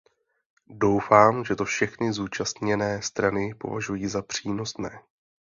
Doufám, že to všechny zúčastněné strany považují za přínosné.